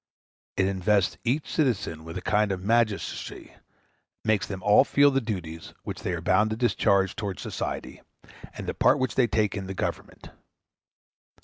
It invests each citizen with a kind of magistracy, it makes them all feel the duties which they are bound to discharge towards society, and the part which they take in the Government.